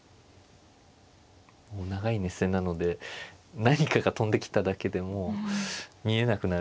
もう長い熱戦なので何かが飛んできただけでもう見えなくなる。